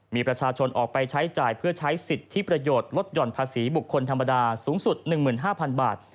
มีประชาชนออกไปใช้จ่ายเพื่อใช้สิทธิประโยชน์ลดหย่อนภาษีบุคคลธรรมดาสูงสุด๑๕๐๐๐บาท